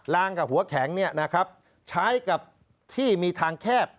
ลางกับหัวแข็งเนี่ยนะครับใช้กับที่มีทางแคบ